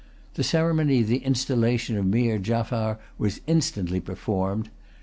The ceremony of the installation of Meer Jaffier was instantly performed.